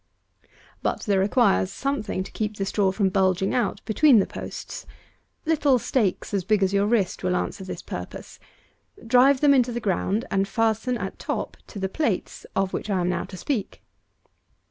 But there requires something to keep the straw from bulging out between the posts. Little stakes as big as your wrist will answer this purpose. Drive them into the ground, and fasten, at top, to the plates, of which I am now to speak.